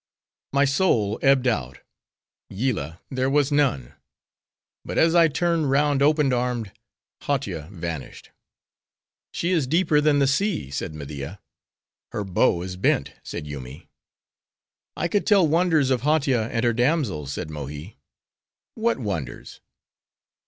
My soul ebbed out; Yillah there was none! but as I turned round open armed, Hautia vanished. "She is deeper than the sea," said Media. "Her bow is bent," said Yoomy. "I could tell wonders of Hautia and her damsels," said Mohi. "What wonders?"